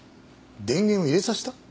電源を入れさせた？